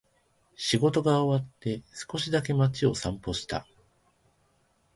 仕事が終わって、少しだけ街を散歩した。